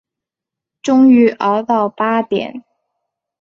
终于熬到八点